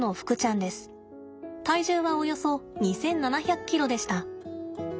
体重はおよそ２，７００ｋｇでした。